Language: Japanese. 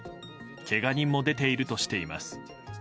けが人も出ているとしています。